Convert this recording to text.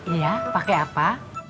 iya pakai apa